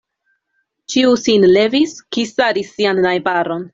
Ĉiu sin levis, kisadis sian najbaron.